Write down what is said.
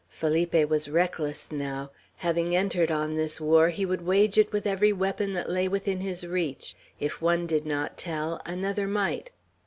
Felipe was reckless now; having entered on this war, he would wage it with every weapon that lay within his reach; if one did not tell, another might.